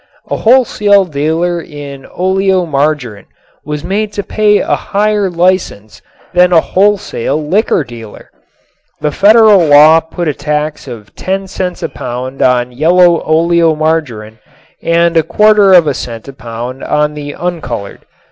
A wholesale dealer in oleomargarin was made to pay a higher license than a wholesale liquor dealer. The federal law put a tax of ten cents a pound on yellow oleomargarin and a quarter of a cent a pound on the uncolored.